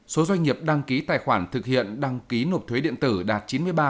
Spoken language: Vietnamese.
số doanh nghiệp đăng ký tài khoản thực hiện đăng ký nộp thuế điện tử đạt chín mươi ba năm mươi hai